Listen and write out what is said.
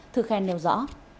thư khen nêu rõ